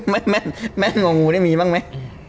แม่นชันแม่งงองูนี่มีบ้างมั้ย